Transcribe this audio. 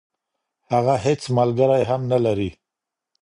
هغه هیڅ ملګری هم نلري.